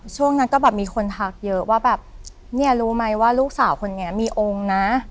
ช่วงนั้นก็แบบมีคนทักเยอะว่าแบบเนี่ยรู้ไหมว่าลูกสาวคนนี้มีองค์นะ